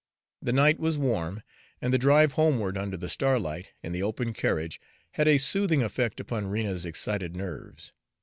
The night was warm, and the drive homeward under the starlight, in the open carriage, had a soothing effect upon Rena's excited nerves.